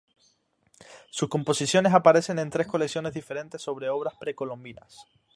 Sus composiciones aparecen en tres colecciones diferentes sobre obras precolombinas.